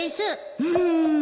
うん